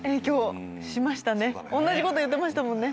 おんなじこと言ってましたもんね。